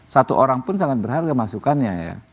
satu orang pun sangat berharga masukannya ya